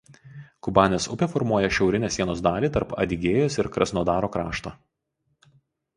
Kubanės upė formuoja šiaurinę sienos dalį tarp Adygėjos ir Krasnodaro krašto.